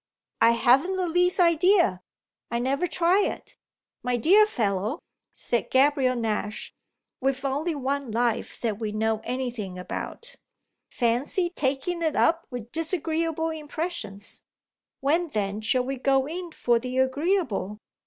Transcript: "I haven't the least idea. I never try it. My dear fellow," said Gabriel Nash, "we've only one life that we know anything about: fancy taking it up with disagreeable impressions! When then shall we go in for the agreeable?"